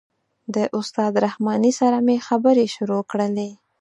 د استاد رحماني سره مې خبرې شروع کړلې.